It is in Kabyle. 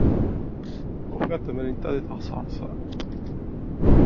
Ufiɣ-d tamrint-a deg teɣsert.